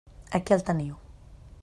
Aquí el teniu.